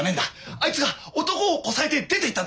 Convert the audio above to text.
あいつが男をこさえて出て行ったんだ。